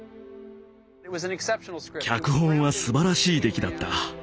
脚本はすばらしい出来だった。